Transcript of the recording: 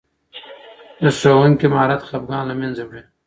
د ښوونکي مهارت خفګان له منځه وړي.